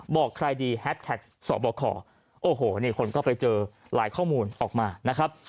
บอกใครดีแฮสแท็กสบคโอ้โหนี่คนก็ไปเจอหลายข้อมูลออกมานะครับ